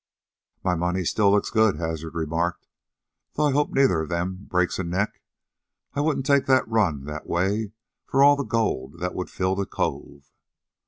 "My money still looks good," Hazard remarked, "though I hope neither of them breaks a neck. I wouldn't take that run that way for all the gold that would fill the cove."